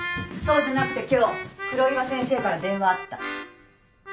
そうじゃなくて今日黒岩先生から電話あった。